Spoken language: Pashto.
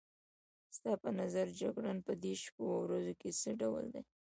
ستا په نظر جګړن په دې شپو او ورځو کې څه ډول دی؟